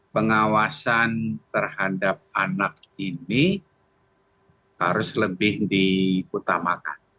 pengawasan terhadap anak ini harus lebih diutamakan